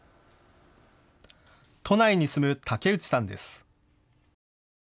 都内に住む竹内さんです。